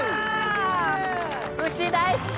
牛大好き！